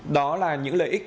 đó là những lợi ích